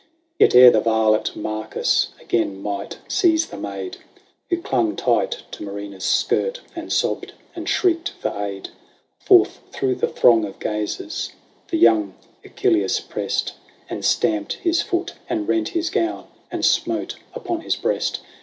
Yet ere the varlet Marcus again might seize the maid, Who clung tight to Muraena's skirt, and sobbed, and shrieked for aid. Forth through the throng of gazers the young Icilius pressed. And stamped his foot, and rent his gown, and smote upon his breast.